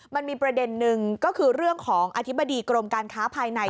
มันมีประเด็นหนึ่งก็คือเรื่องของอธิบดีกรมการค้าภายใน